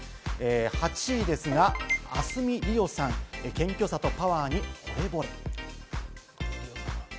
８位ですが、明日海りおさん、謙虚さとパワーにほれぼれ。